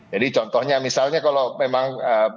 jadi contohnya misalnya kalau memang